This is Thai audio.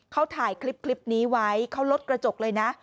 เขาถ่ายคลิปนี้ไว้เขาลดกระจกเลยนะ